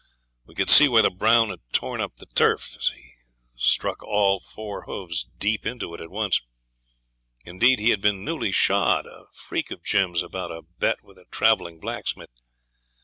We could see where the brown had torn up the turf as he struck all four hoofs deep into it at once. Indeed, he had been newly shod, a freak of Jim's about a bet with a travelling blacksmith.